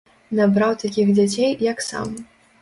Набраў такіх дзяцей, як сам.